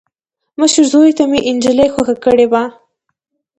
مشر زوي ته مې انجلۍ خوښه کړې وه.